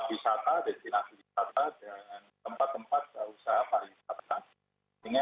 itu bukannya pembukaan